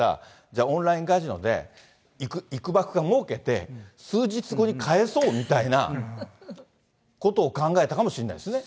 じゃあ、オンラインカジノでいくばくかもうけて、数日後に返そうみたいなことを考えたかもしれないですね。